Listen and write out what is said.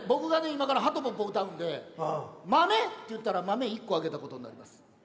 今から「はとぽっぽ」歌うんで豆って言ったら豆１個あげたことになります。